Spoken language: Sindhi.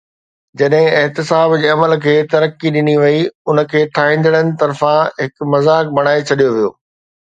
جڏهن احتساب جي عمل کي ترقي ڏني وئي، ان کي ٺاهيندڙن طرفان هڪ مذاق بڻائي ڇڏيو ويو.